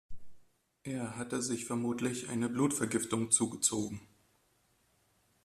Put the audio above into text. Er hatte sich vermutlich eine Blutvergiftung zugezogen.